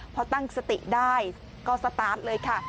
พอตั้งสติได้ก็สตาร์ทเลยค่ะ